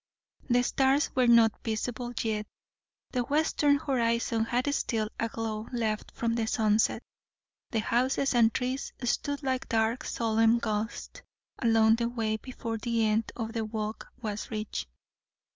The stars were not visible yet; the western horizon had still a glow left from the sunset; and houses and trees stood like dark solemn ghosts along the way before the end of the walk was reached.